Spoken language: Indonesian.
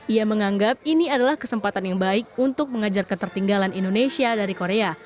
ia menganggap ini adalah kesempatan yang baik untuk mengajar ketertinggalan indonesia dari korea